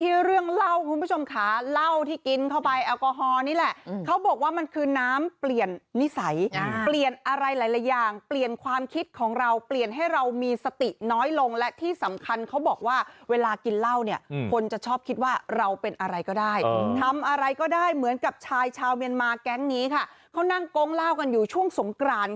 เรื่องเล่าคุณผู้ชมค่ะเหล้าที่กินเข้าไปแอลกอฮอลนี่แหละเขาบอกว่ามันคือน้ำเปลี่ยนนิสัยเปลี่ยนอะไรหลายอย่างเปลี่ยนความคิดของเราเปลี่ยนให้เรามีสติน้อยลงและที่สำคัญเขาบอกว่าเวลากินเหล้าเนี่ยคนจะชอบคิดว่าเราเป็นอะไรก็ได้ทำอะไรก็ได้เหมือนกับชายชาวเมียนมาแก๊งนี้ค่ะเขานั่งโก๊งเล่ากันอยู่ช่วงสงกราน